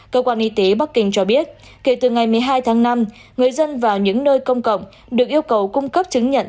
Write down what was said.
cơ quan y tế bắc kinh cho biết kể từ ngày một mươi hai tháng năm người dân vào những nơi công cộng được yêu cầu cung cấp chứng nhận